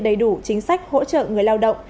đầy đủ chính sách hỗ trợ người lao động